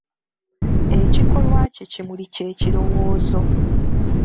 Ekikolwa kye kimuli ky'ekirowoozo.